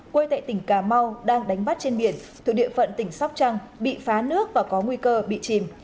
quê tại tỉnh cà mau đang đánh bắt trên biển thuộc địa phận tỉnh sóc trăng bị phá nước và có nguy cơ bị chìm